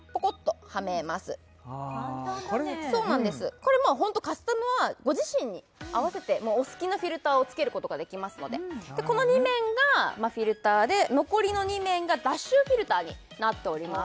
これカスタムはご自身に合わせてお好きなフィルターをつけることができますのででこの２面がフィルターで残りの２面が脱臭フィルターになっております